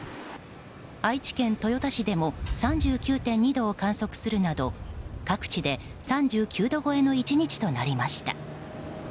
愛知県豊田市でも３９．２度を観測するなど各地で３９度超えの１日となりました。